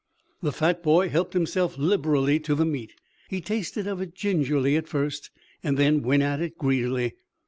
The fat boy helped himself liberally to the meat. He tasted of it gingerly at first, then went at it greedily.